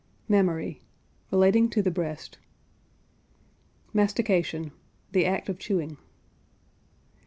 MAMMARY. Relating to the breast. MASTICATION. The act of chewing.